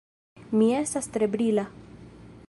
Mi estas tre brila.